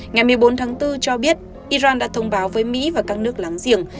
ngày một mươi bốn tháng bốn cho biết iran đã thông báo với mỹ và các nước láng giềng